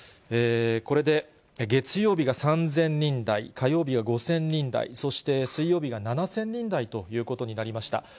これで月曜日が３０００人台、火曜日は５０００人台、そして水曜日が７０００人台ということになりました。